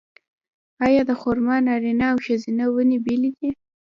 آیا د خرما نارینه او ښځینه ونې بیلې دي؟